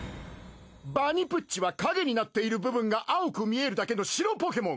バニプッチは陰になっている部分が青く見えるだけの白ポケモン。